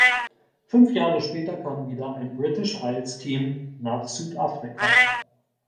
Fünf Jahre später kam wieder ein British-Isles-Team nach Südafrika.